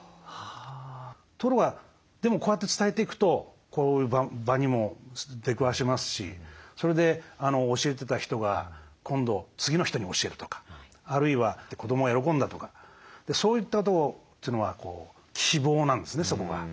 ところがでもこうやって伝えていくとこういう場にも出くわしますしそれで教えてた人が今度次の人に教えるとかあるいは子どもが喜んだとかそういったとこっていうのは希望なんですねそこが。